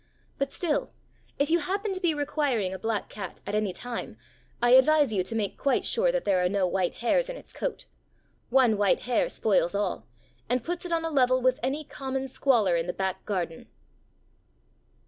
But still, if you happen to be requiring a black cat at any time, I advise you to make quite sure that there are no white hairs in its coat. One white hair spoils all, and puts it on a level with any common squaller in the back garden.